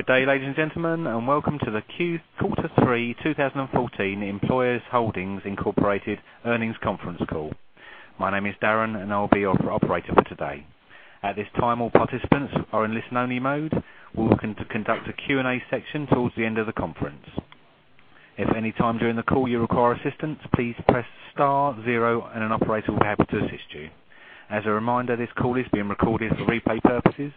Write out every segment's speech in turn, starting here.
Good day, ladies and gentlemen, and welcome to the Q3 2014 Employers Holdings, Inc. Earnings Conference Call. My name is Darren, and I'll be your operator for today. At this time, all participants are in listen-only mode. We're looking to conduct a Q&A section towards the end of the conference. If any time during the call you require assistance, please press star zero and an operator will be happy to assist you. As a reminder, this call is being recorded for replay purposes.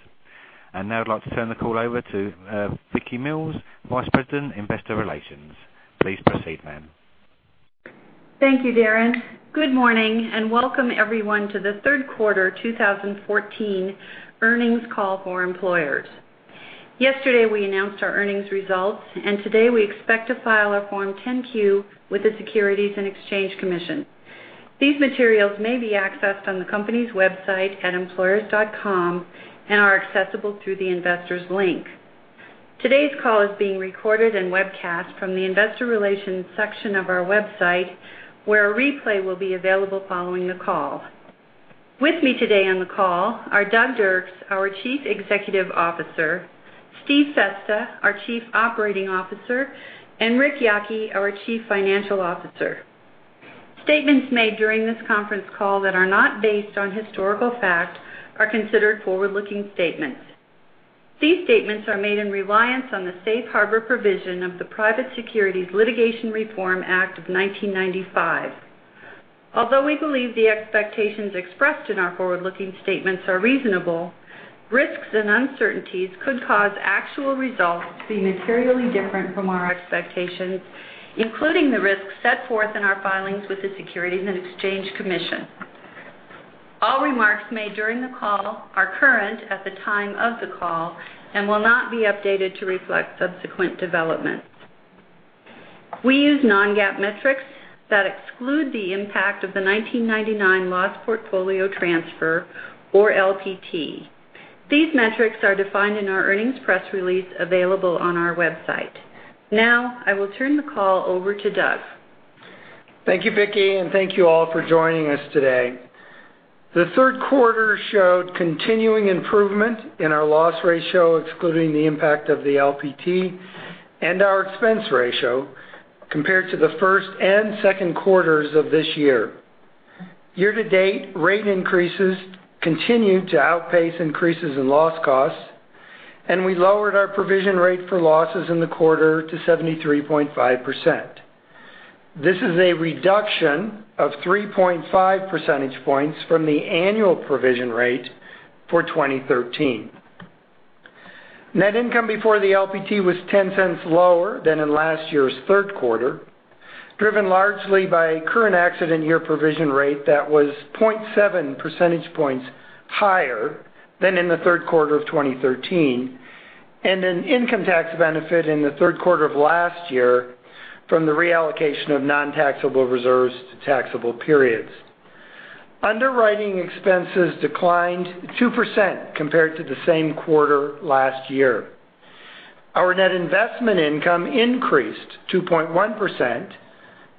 Now I'd like to turn the call over to Vicki Mills, Vice President, Investor Relations. Please proceed, ma'am. Thank you, Darren. Good morning, and welcome everyone to the third quarter 2014 earnings call for Employers. Yesterday, we announced our earnings results, and today we expect to file our Form 10-Q with the Securities and Exchange Commission. These materials may be accessed on the company's website at employers.com and are accessible through the Investors link. Today's call is being recorded and webcast from the investor relations section of our website, where a replay will be available following the call. With me today on the call are Douglas Dirks, our Chief Executive Officer, Steve Festa, our Chief Operating Officer, and Ric Yocke, our Chief Financial Officer. Statements made during this conference call that are not based on historical fact are considered forward-looking statements. These statements are made in reliance on the safe harbor provision of the Private Securities Litigation Reform Act of 1995. Although we believe the expectations expressed in our forward-looking statements are reasonable, risks and uncertainties could cause actual results to be materially different from our expectations, including the risks set forth in our filings with the Securities and Exchange Commission. All remarks made during the call are current at the time of the call and will not be updated to reflect subsequent developments. We use non-GAAP metrics that exclude the impact of the 1999 Loss Portfolio Transfer, or LPT. These metrics are defined in our earnings press release available on our website. Now, I will turn the call over to Doug. Thank you, Vicki, and thank you all for joining us today. The third quarter showed continuing improvement in our loss ratio, excluding the impact of the LPT and our expense ratio compared to the first and second quarters of this year. Year-to-date rate increases continued to outpace increases in loss costs, and we lowered our provision rate for losses in the quarter to 73.5%. This is a reduction of 3.5 percentage points from the annual provision rate for 2013. Net income before the LPT was $0.10 lower than in last year's third quarter, driven largely by a current accident year provision rate that was 0.7 percentage points higher than in the third quarter of 2013, and an income tax benefit in the third quarter of last year from the reallocation of non-taxable reserves to taxable periods. Underwriting expenses declined 2% compared to the same quarter last year. Our net investment income increased 2.1%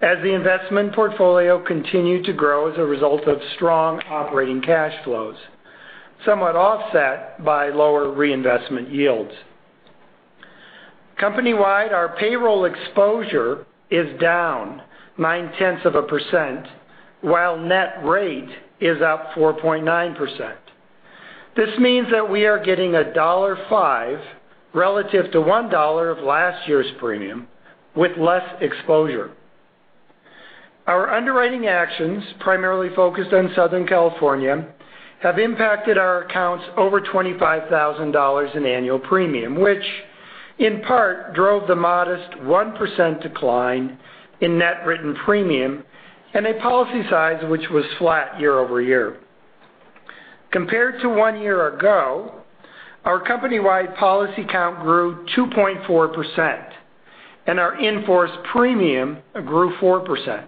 as the investment portfolio continued to grow as a result of strong operating cash flows, somewhat offset by lower reinvestment yields. Company-wide, our payroll exposure is down 0.9%, while net rate is up 4.9%. This means that we are getting $1.05 relative to $1 of last year's premium with less exposure. Our underwriting actions, primarily focused on Southern California, have impacted our accounts over $25,000 in annual premium, which in part drove the modest 1% decline in net written premium and a policy size which was flat year-over-year. Compared to one year ago, our company-wide policy count grew 2.4%, and our in-force premium grew 4%.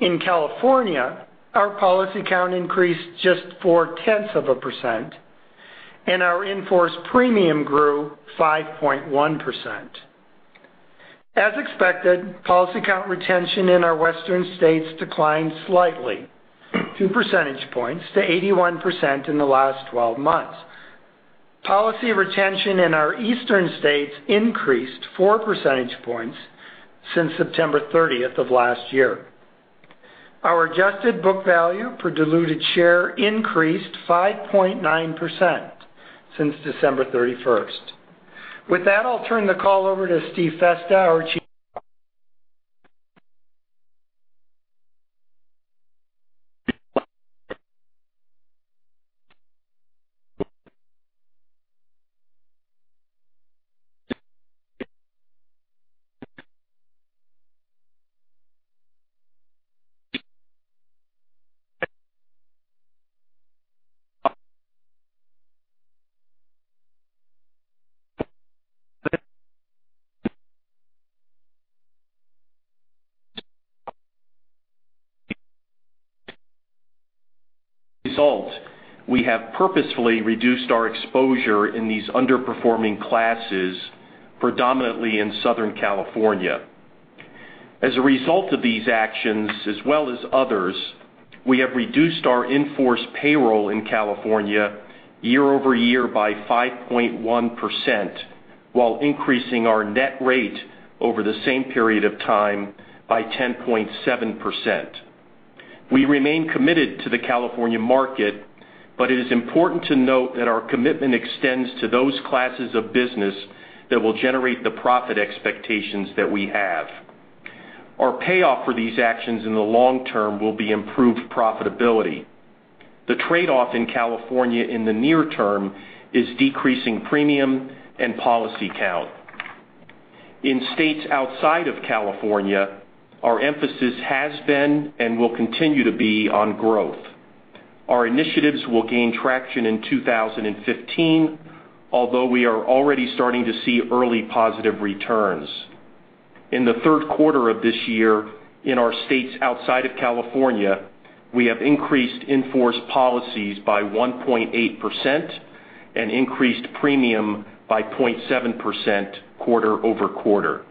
In California, our policy count increased just 0.4%, and our in-force premium grew 5.1%. As expected, policy count retention in our western states declined slightly, two percentage points to 81% in the last 12 months. Policy retention in our eastern states increased four percentage points since September 30th of last year. Our adjusted book value per diluted share increased 5.9% since December 31st. With that, I'll turn the call over to Steve Festa, our Chief- As a result, we have purposefully reduced our exposure in these underperforming classes, predominantly in Southern California. As a result of these actions, as well as others, we have reduced our in-force payroll in California year-over-year by 5.1%, while increasing our net rate over the same period of time by 10.7%. We remain committed to the California market, but it is important to note that our commitment extends to those classes of business that will generate the profit expectations that we have. Our payoff for these actions in the long term will be improved profitability. The trade-off in California in the near term is decreasing premium and policy count. In states outside of California, our emphasis has been and will continue to be on growth. Our initiatives will gain traction in 2015, although we are already starting to see early positive returns. In the third quarter of this year, in our states outside of California, we have increased in-force policies by 1.8% and increased premium by 0.7% quarter-over-quarter.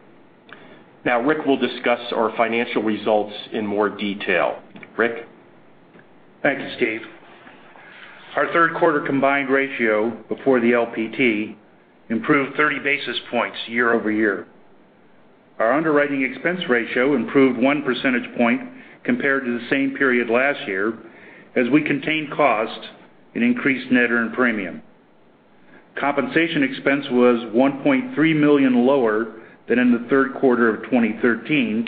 Ric will discuss our financial results in more detail. Ric? Thank you, Steve. Our third quarter combined ratio before the LPT improved 30 basis points year-over-year. Our underwriting expense ratio improved one percentage point compared to the same period last year as we contained costs and increased net earned premium. Compensation expense was $1.3 million lower than in the third quarter of 2013,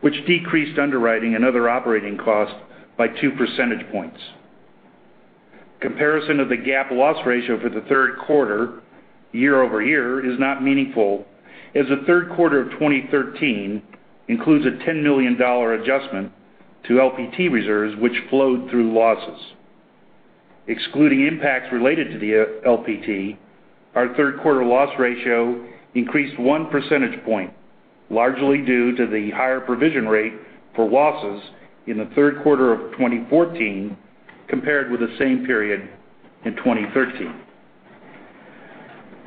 which decreased underwriting and other operating costs by two percentage points. Comparison of the GAAP loss ratio for the third quarter year-over-year is not meaningful, as the third quarter of 2013 includes a $10 million adjustment to LPT reserves which flowed through losses. Excluding impacts related to the LPT, our third quarter loss ratio increased one percentage point, largely due to the higher provision rate for losses in the third quarter of 2014 compared with the same period in 2013.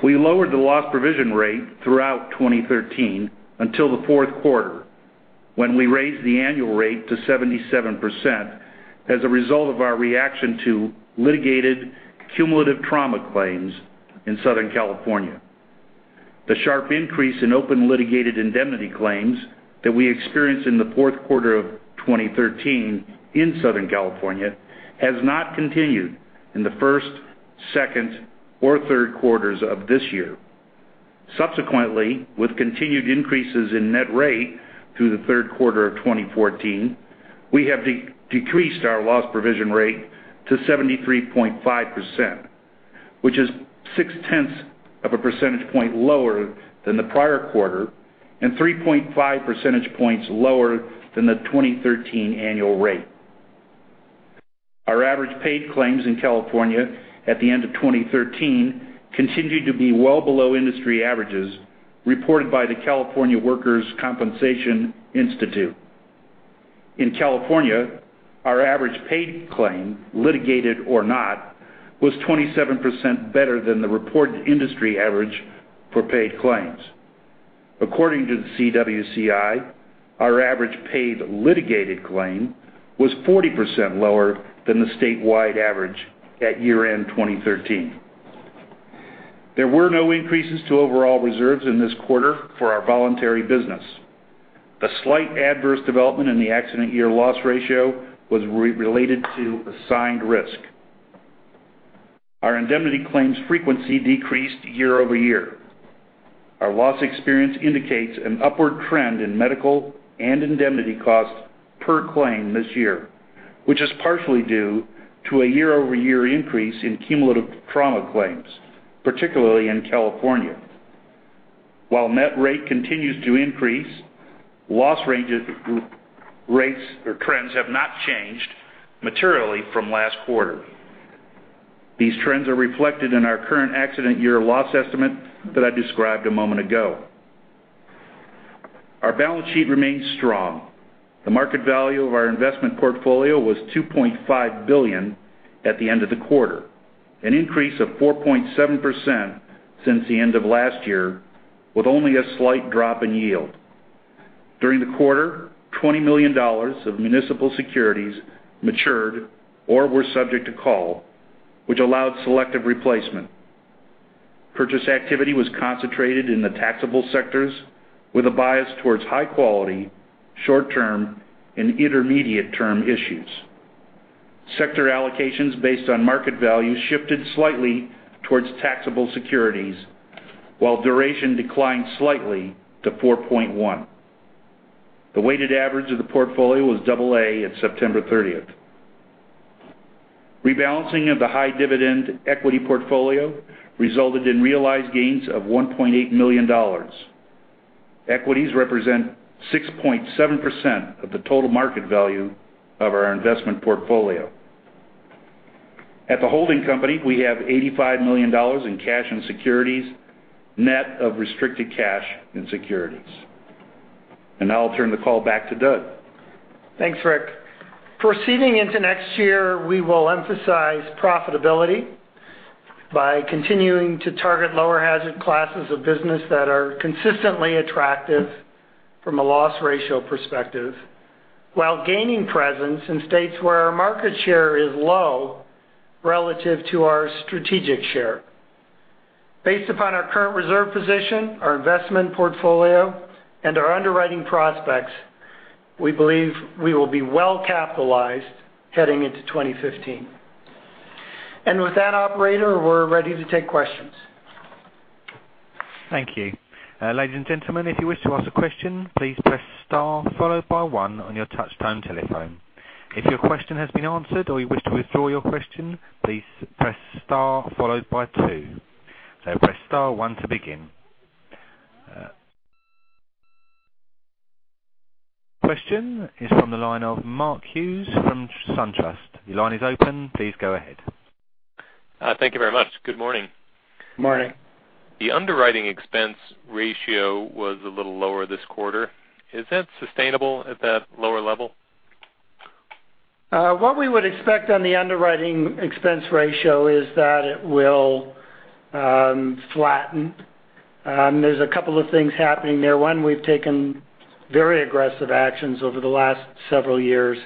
We lowered the loss provision rate throughout 2013 until the fourth quarter, when we raised the annual rate to 77% as a result of our reaction to litigated cumulative trauma claims in Southern California. The sharp increase in open litigated indemnity claims that we experienced in the fourth quarter of 2013 in Southern California has not continued in the first, second, or third quarters of this year. Subsequently, with continued increases in net rate through the third quarter of 2014, we have decreased our loss provision rate to 73.5%, which is 6/10 of a percentage point lower than the prior quarter and 3.5 percentage points lower than the 2013 annual rate. Our average paid claims in California at the end of 2013 continued to be well below industry averages reported by the California Workers' Compensation Institute. In California, our average paid claim, litigated or not, was 27% better than the reported industry average for paid claims. According to the CWCI, our average paid litigated claim was 40% lower than the statewide average at year-end 2013. There were no increases to overall reserves in this quarter for our voluntary business. The slight adverse development in the accident year loss ratio was related to assigned risk. Our indemnity claims frequency decreased year-over-year. Our loss experience indicates an upward trend in medical and indemnity costs per claim this year, which is partially due to a year-over-year increase in cumulative trauma claims, particularly in California. While net rate continues to increase, loss rates or trends have not changed materially from last quarter. These trends are reflected in our current accident year loss estimate that I described a moment ago. Our balance sheet remains strong. The market value of our investment portfolio was $2.5 billion at the end of the quarter, an increase of 4.7% since the end of last year, with only a slight drop in yield. During the quarter, $20 million of municipal securities matured or were subject to call, which allowed selective replacement. Purchase activity was concentrated in the taxable sectors with a bias towards high quality, short-term, and intermediate-term issues. Sector allocations based on market value shifted slightly towards taxable securities, while duration declined slightly to 4.1. The weighted average of the portfolio was double A at September 30th. Rebalancing of the high dividend equity portfolio resulted in realized gains of $1.8 million. Equities represent 6.7% of the total market value of our investment portfolio. At the holding company, we have $85 million in cash and securities, net of restricted cash and securities. Now I'll turn the call back to Doug. Thanks, Ric. Proceeding into next year, we will emphasize profitability by continuing to target lower hazard classes of business that are consistently attractive from a loss ratio perspective, while gaining presence in states where our market share is low relative to our strategic share. Based upon our current reserve position, our investment portfolio, and our underwriting prospects, we believe we will be well-capitalized heading into 2015. With that operator, we're ready to take questions. Thank you. Ladies and gentlemen, if you wish to ask a question, please press star followed by one on your touchtone telephone. If your question has been answered or you wish to withdraw your question, please press star followed by two. Press star one to begin. Question is from the line of Mark Hughes from SunTrust. Your line is open. Please go ahead. Thank you very much. Good morning. Morning. The underwriting expense ratio was a little lower this quarter. Is that sustainable at that lower level? What we would expect on the underwriting expense ratio is that it will flatten. There's a couple of things happening there. One, we've taken very aggressive actions over the last several years.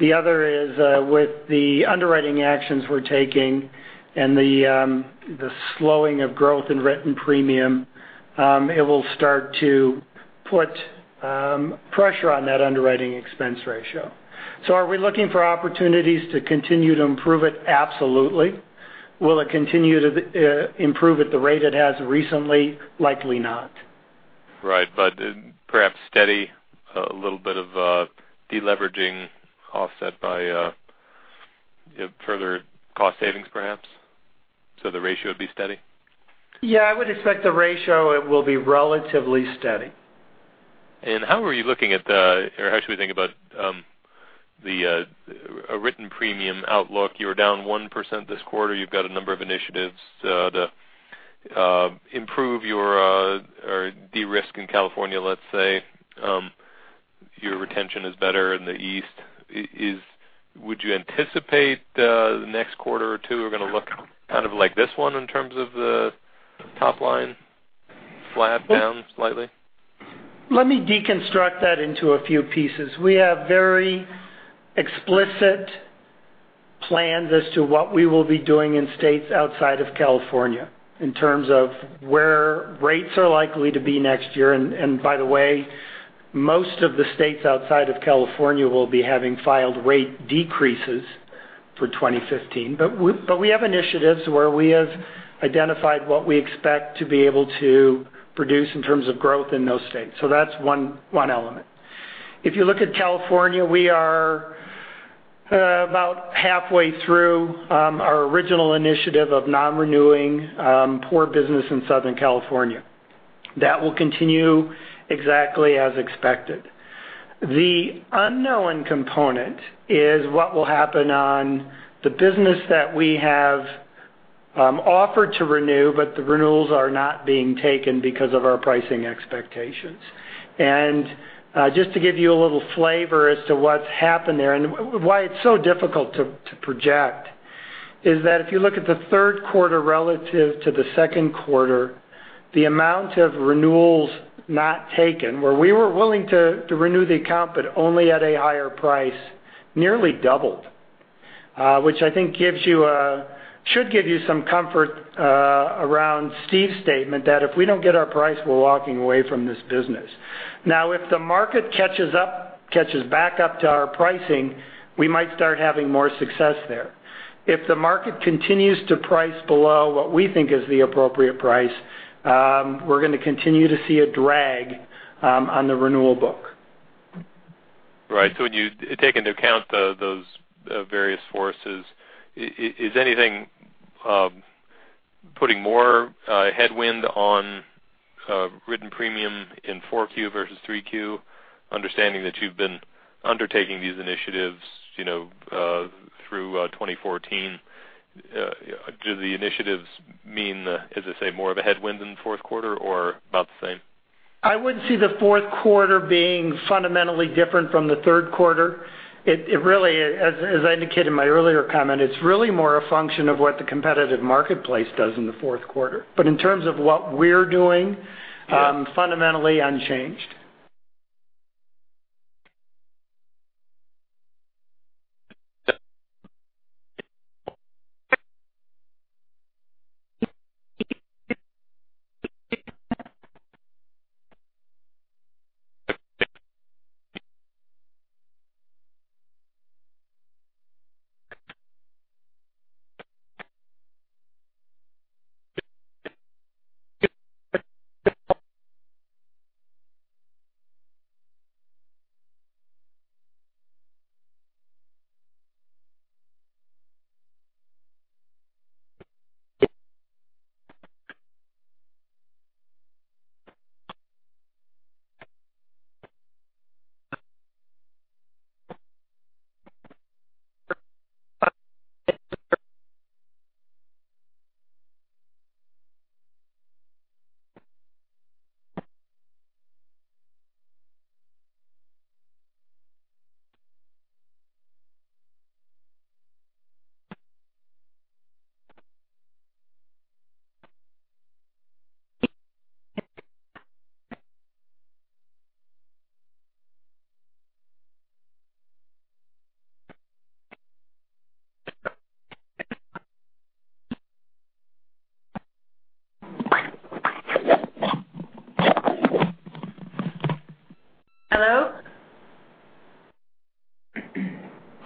The other is, with the underwriting actions we're taking and the slowing of growth in written premium, it will start to put pressure on that underwriting expense ratio. Are we looking for opportunities to continue to improve it? Absolutely. Will it continue to improve at the rate it has recently? Likely not. Right. Perhaps steady, a little bit of a deleveraging offset by further cost savings, perhaps? The ratio would be steady? Yeah, I would expect the ratio will be relatively steady. How are you looking at the, or how should we think about a written premium outlook? You were down 1% this quarter. You've got a number of initiatives to improve your de-risk in California, let's say. Your retention is better in the East. Would you anticipate the next quarter or two are going to look kind of like this one in terms of the top line, flat down slightly? Let me deconstruct that into a few pieces. We have very explicit plans as to what we will be doing in states outside of California in terms of where rates are likely to be next year. By the way, most of the states outside of California will be having filed rate decreases for 2015. We have initiatives where we have identified what we expect to be able to produce in terms of growth in those states. That's one element. If you look at California, we are about halfway through our original initiative of non-renewing poor business in Southern California. That will continue exactly as expected. The unknown component is what will happen on the business that we have offered to renew, but the renewals are not being taken because of our pricing expectations. Just to give you a little flavor as to what's happened there and why it's so difficult to project is that if you look at the third quarter relative to the second quarter, the amount of renewals not taken, where we were willing to renew the account, but only at a higher price, nearly doubled. Which I think should give you some comfort around Steve's statement that if we don't get our price, we're walking away from this business. Now, if the market catches back up to our pricing, we might start having more success there. If the market continues to price below what we think is the appropriate price, we're going to continue to see a drag on the renewal book. Right. When you take into account those various forces, is anything putting more headwind on written premium in 4Q versus 3Q, understanding that you've been undertaking these initiatives through 2014? Do the initiatives mean, as I say, more of a headwind in the fourth quarter or about the same? I wouldn't see the fourth quarter being fundamentally different from the third quarter. As I indicated in my earlier comment, it's really more a function of what the competitive marketplace does in the fourth quarter. In terms of what we're doing, fundamentally unchanged.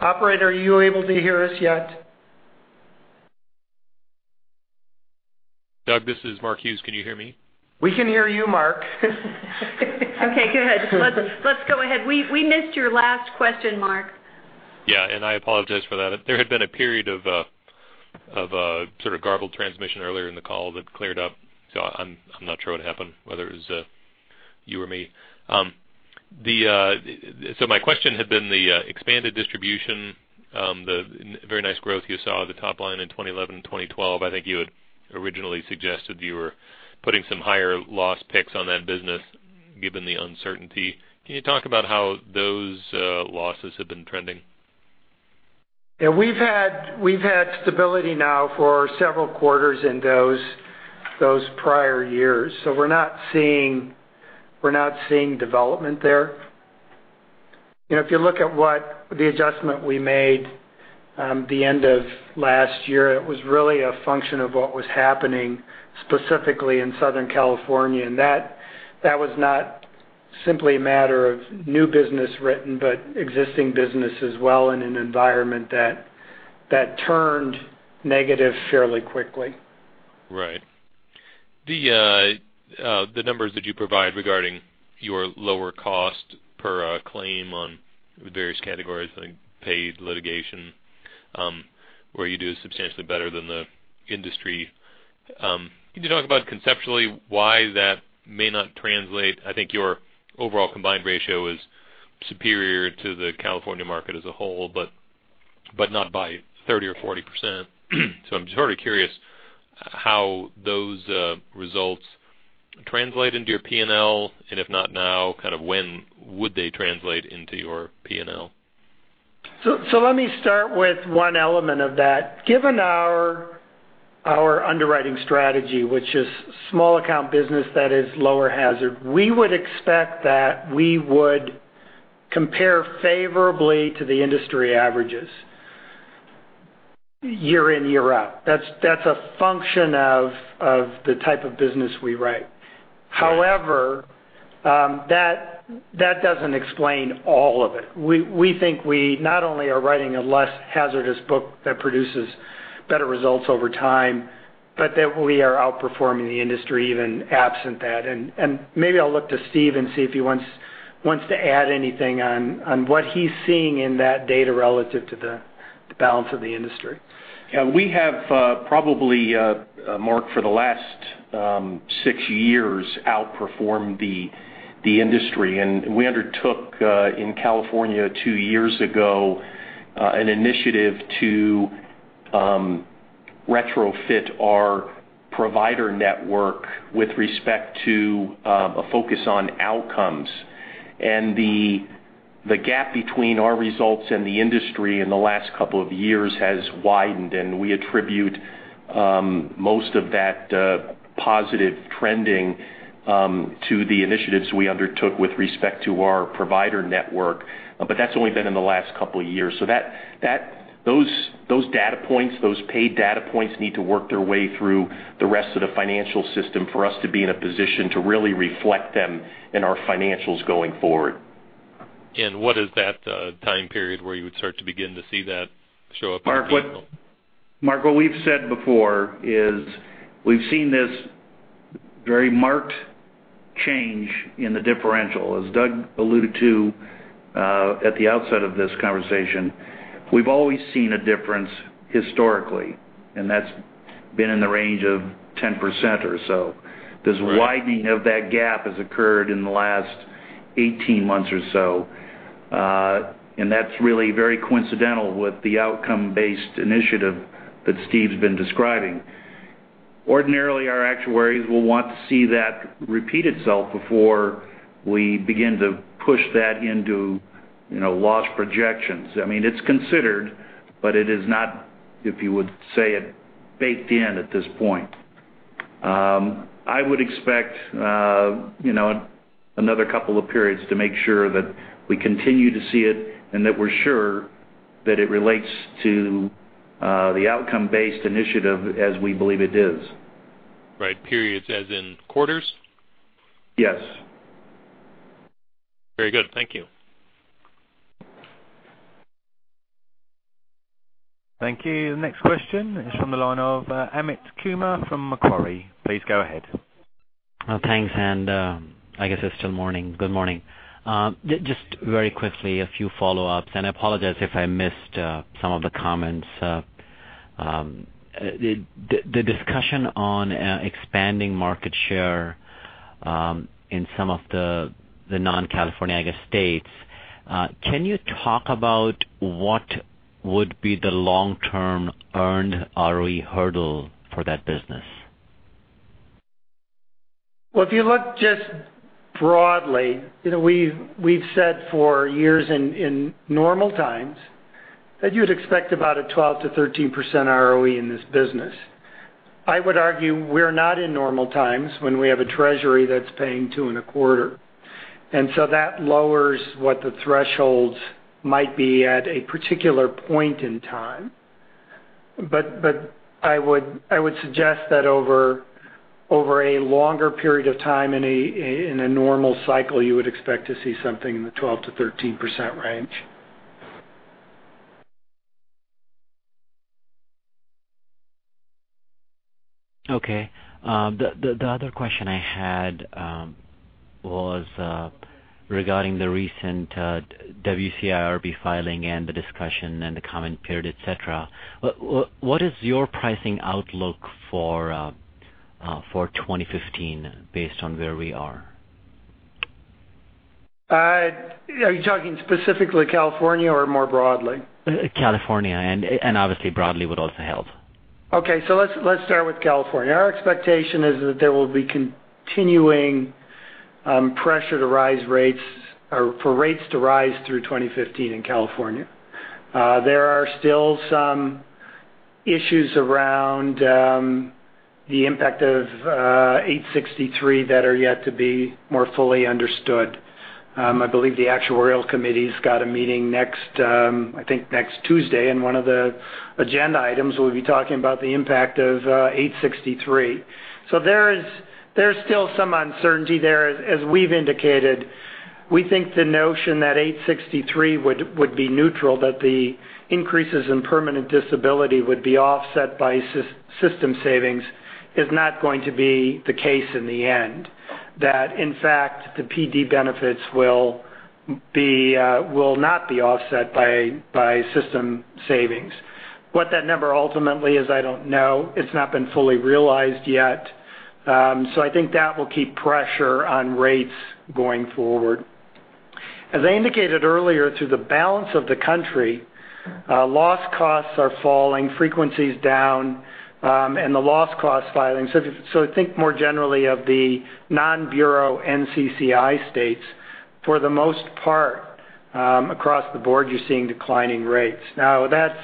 Hello? Operator, are you able to hear us yet? Doug, this is Mark Hughes. Can you hear me? We can hear you, Mark. Okay, good. Let's go ahead. We missed your last question, Mark. Yeah. I apologize for that. There had been a period of sort of garbled transmission earlier in the call that cleared up. I'm not sure what happened, whether it was you or me. My question had been the expanded distribution, the very nice growth you saw at the top line in 2011 and 2012. I think you had originally suggested you were putting some higher loss picks on that business, given the uncertainty. Can you talk about how those losses have been trending? Yeah. We've had stability now for several quarters in those prior years. We're not seeing development there. If you look at the adjustment we made the end of last year, it was really a function of what was happening specifically in Southern California. That was not simply a matter of new business written, but existing business as well in an environment that turned negative fairly quickly. Right. The numbers that you provide regarding your lower cost per claim on various categories like paid litigation, where you do substantially better than the industry. Can you talk about conceptually why that may not translate? I think your overall combined ratio is superior to the California market as a whole, but not by 30% or 40%. I'm just already curious how those results translate into your P&L, and if not now, kind of when would they translate into your P&L? Let me start with one element of that. Given our underwriting strategy, which is small account business that is lower hazard, we would expect that we would compare favorably to the industry averages year in, year out. That's a function of the type of business we write. Right. However, that doesn't explain all of it. We think we not only are writing a less hazardous book that produces better results over time, but that we are outperforming the industry even absent that. Maybe I'll look to Steve and see if he wants to add anything on what he's seeing in that data relative to the balance of the industry. Yeah, we have probably, Mark, for the last six years, outperformed the industry. We undertook, in California two years ago, an initiative to retrofit our provider network with respect to a focus on outcomes. The gap between our results and the industry in the last couple of years has widened, and we attribute most of that positive trending to the initiatives we undertook with respect to our provider network. That's only been in the last couple of years. Those data points, those paid data points, need to work their way through the rest of the financial system for us to be in a position to really reflect them in our financials going forward. What is that time period where you would start to begin to see that show up on your P&L? Mark, what we've said before is we've seen this very marked change in the differential. As Doug alluded to at the outset of this conversation, we've always seen a difference historically, and that's been in the range of 10% or so. Right. This widening of that gap has occurred in the last 18 months or so. That's really very coincidental with the outcome-based initiative that Steve's been describing. Ordinarily, our actuaries will want to see that repeat itself before we begin to push that into loss projections. I mean, it's considered, but it is not, if you would say it, baked in at this point. I would expect another couple of periods to make sure that we continue to see it and that we're sure that it relates to the outcome-based initiative as we believe it is. Right. Periods as in quarters? Yes. Very good. Thank you. Thank you. The next question is from the line of Amit Kumar from Macquarie. Please go ahead. Thanks. I guess it's still morning. Good morning. Just very quickly, a few follow-ups, and I apologize if I missed some of the comments. The discussion on expanding market share in some of the non-California, I guess, states, can you talk about Would be the long-term earned ROE hurdle for that business? Well, if you look just broadly, we've said for years in normal times that you'd expect about a 12%-13% ROE in this business. I would argue we're not in normal times when we have a treasury that's paying two and a quarter. That lowers what the thresholds might be at a particular point in time. I would suggest that over a longer period of time in a normal cycle, you would expect to see something in the 12%-13% range. Okay. The other question I had was regarding the recent WCIRB filing and the discussion and the comment period, et cetera. What is your pricing outlook for 2015 based on where we are? Are you talking specifically California or more broadly? California. Obviously broadly would also help. Okay. Let's start with California. Our expectation is that there will be continuing pressure for rates to rise through 2015 in California. There are still some issues around the impact of 863 that are yet to be more fully understood. I believe the actuarial committee's got a meeting, I think, next Tuesday, and one of the agenda items will be talking about the impact of 863. There's still some uncertainty there. As we've indicated, we think the notion that 863 would be neutral, that the increases in permanent disability would be offset by system savings, is not going to be the case in the end. That, in fact, the PD benefits will not be offset by system savings. What that number ultimately is, I don't know. It's not been fully realized yet. I think that will keep pressure on rates going forward. As I indicated earlier, to the balance of the country, loss costs are falling, frequency's down, and the loss cost filings. Think more generally of the non-bureau NCCI states, for the most part, across the board, you're seeing declining rates. Now, that's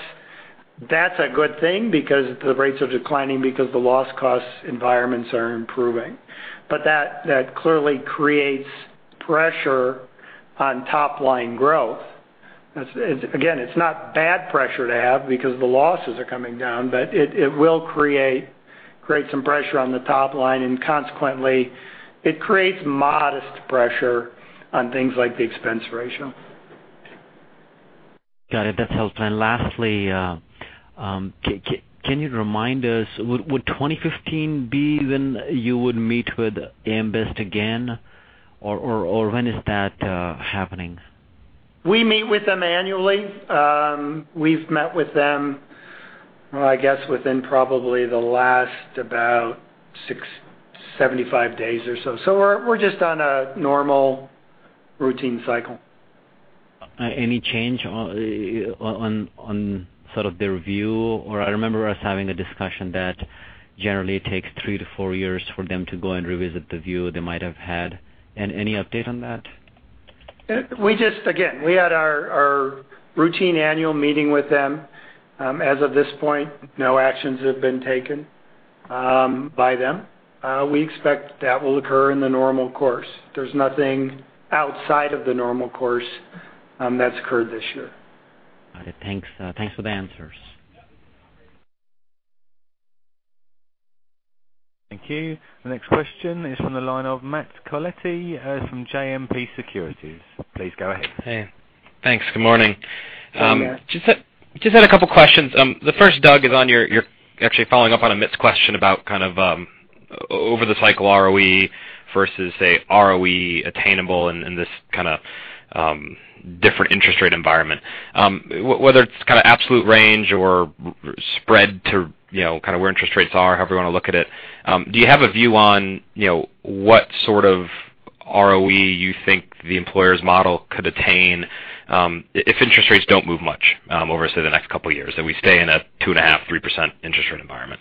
a good thing because the rates are declining because the loss cost environments are improving. That clearly creates pressure on top-line growth. Again, it's not bad pressure to have because the losses are coming down, but it will create some pressure on the top line, and consequently, it creates modest pressure on things like the expense ratio. Got it. That helps. Lastly, can you remind us, would 2015 be when you would meet with AM Best again? Or when is that happening? We meet with them annually. We've met with them, I guess, within probably the last 75 days or so. We're just on a normal routine cycle. Any change on sort of their view, or I remember us having a discussion that generally it takes three to four years for them to go and revisit the view they might have had. Any update on that? Again, we had our routine annual meeting with them. As of this point, no actions have been taken by them. We expect that will occur in the normal course. There's nothing outside of the normal course that's occurred this year. Got it. Thanks for the answers. Thank you. The next question is from the line of Matthew Carletti from JMP Securities. Please go ahead. Hey. Thanks. Good morning. Good morning. I just had a couple questions. The first, Doug, is. Actually following up on Amit's question about kind of over the cycle ROE versus, say, ROE attainable in this kind of different interest rate environment. Whether it's kind of absolute range or spread to kind of where interest rates are, however you want to look at it, do you have a view on what sort of ROE you think the Employers model could attain if interest rates don't move much over, say, the next couple of years, that we stay in a 2.5%, 3% interest rate environment?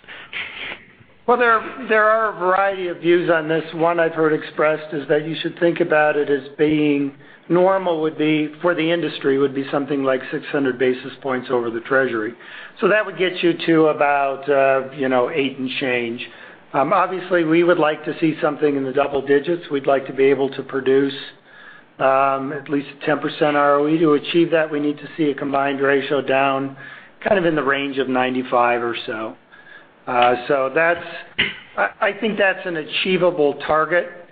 Well, there are a variety of views on this. One I've heard expressed is that you should think about it as being normal would be, for the industry, would be something like 600 basis points over the treasury. That would get you to about eight and change. Obviously, we would like to see something in the double digits. We'd like to be able to produce at least a 10% ROE. To achieve that, we need to see a combined ratio down kind of in the range of 95 or so. I think that's an achievable target.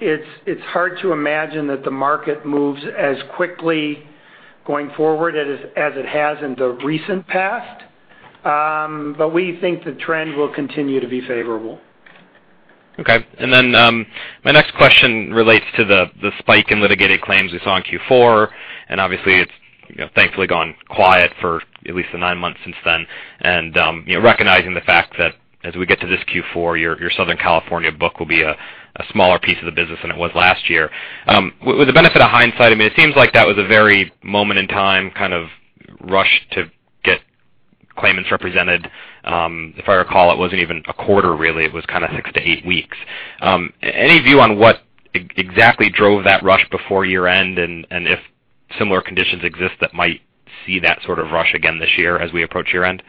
It's hard to imagine that the market moves as quickly going forward as it has in the recent past. We think the trend will continue to be favorable. Okay. My next question relates to the spike in litigated claims we saw in Q4, and obviously, it's thankfully gone quiet for at least the nine months since then. Recognizing the fact that as we get to this Q4, your Southern California book will be a smaller piece of the business than it was last year. With the benefit of hindsight, it seems like that was a very moment in time kind of rush to get claimants represented. If I recall, it wasn't even a quarter really, it was kind of six to eight weeks. Any view on what exactly drove that rush before year-end, and if similar conditions exist that might see that sort of rush again this year as we approach year-end?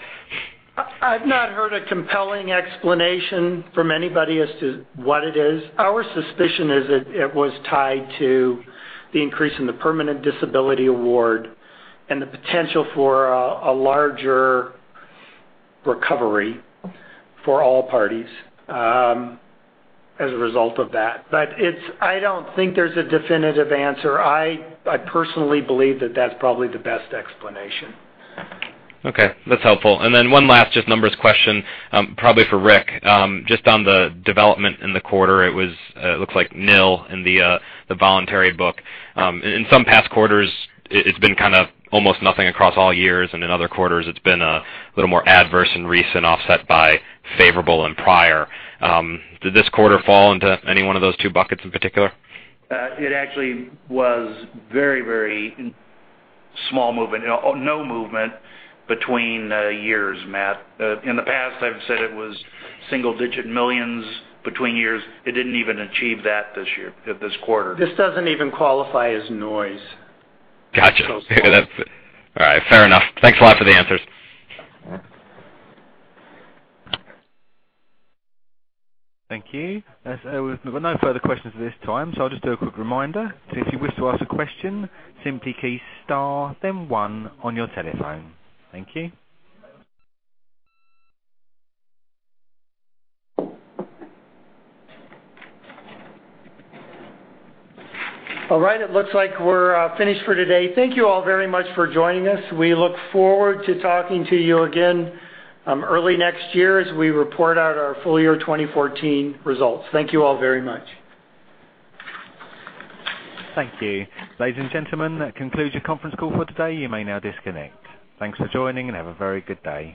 I've not heard a compelling explanation from anybody as to what it is. Our suspicion is that it was tied to the increase in the permanent disability award and the potential for a larger recovery for all parties as a result of that. I don't think there's a definitive answer. I personally believe that that's probably the best explanation. Okay, that's helpful. One last just numbers question, probably for Ric, just on the development in the quarter, it looks like nil in the voluntary book. In some past quarters, it's been kind of almost nothing across all years, and in other quarters, it's been a little more adverse in recent, offset by favorable and prior. Did this quarter fall into any one of those two buckets in particular? It actually was very, very small movement. No movement between years, Matthew. In the past, I've said it was single digit millions between years. It didn't even achieve that this quarter. This doesn't even qualify as noise. Got you. All right. Fair enough. Thanks a lot for the answers. Thank you. There's no further questions at this time. I'll just do a quick reminder. If you wish to ask a question, simply key star, then one on your telephone. Thank you. All right. It looks like we're finished for today. Thank you all very much for joining us. We look forward to talking to you again early next year as we report out our full year 2014 results. Thank you all very much. Thank you. Ladies and gentlemen, that concludes your conference call for the day. You may now disconnect. Thanks for joining, and have a very good day.